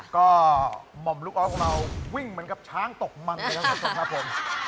ก็หม่อมลุกออกเราวิ่งเหมือนกับช้างตกมันเลยครับคุณคุณครับผม